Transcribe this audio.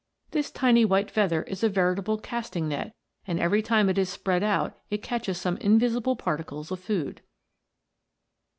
This tiny white feather is a veritable casting net, and every time it is spread out it catches some invisible particles of food.